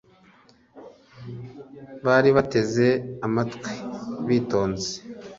bari bateze amatwi bitonze